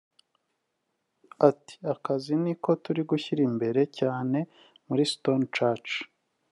Ati “ Akazi niko turi gushyira imbere cyane muri Stone church